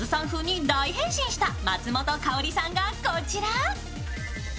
風に大変身した松本薫さんが、こちら。